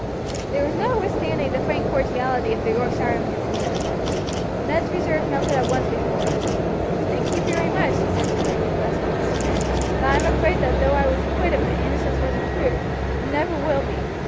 There was no withstanding the frank cordiality of the Yorkshireman's manner. Ned's reserve melted at once before it. "Thank you very much," he said, returning the grasp of his hand; "but I am afraid that though I was acquitted my innocence wasn't proved, and never will be.